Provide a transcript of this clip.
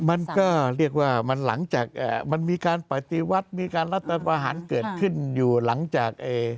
มันก็เรียกว่ามันหลังจากมันมีการปฏิวัติมีการรัฐประหารเกิดขึ้นอยู่หลังจาก